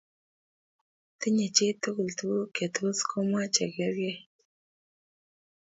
Tinyei chii tugul tuguk chetos komwa chemgergei